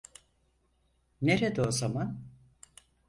Nerede o zaman?